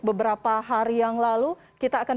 beberapa hari yang lalu kita akan